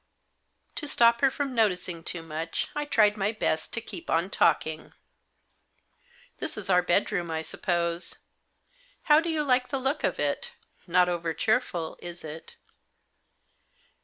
To stop her from noticing too much, I tried my best to keep on talking. " This is our bedroom, I suppose. How do you like the look of it ? Not over cheerful, is it